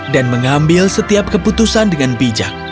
dan mengambil setiap keputusan dengan bijak